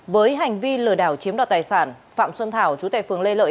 với hành vi lừa đảo chiếm đoạt tài sản phạm xuân thảo chú tài phương lê lợi